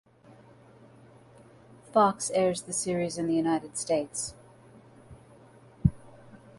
Fox airs the series in the United States.